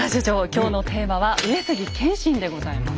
今日のテーマは「上杉謙信」でございます。